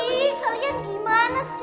ih kalian gimana sih